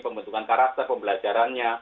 pembentukan karakter pembelajarannya